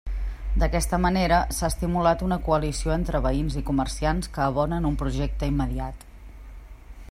D'aquesta manera, s'ha estimulat una coalició entre veïns i comerciants que abonen un projecte immediat.